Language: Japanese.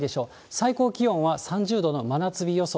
最高気温は３０度の真夏日予想。